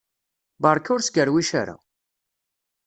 Beṛka ur skerwic ara!